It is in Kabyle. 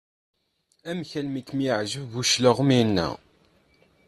Amek armi i am-yeɛǧeb bu claɣem-ina?